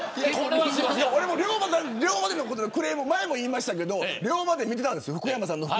俺も龍馬伝のことでクレームで前も言いましたけど龍馬伝見ていたんです福山さんの。